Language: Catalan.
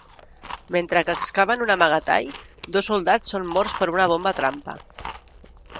Mentre que excaven un amagatall, dos soldats són morts per una bomba trampa.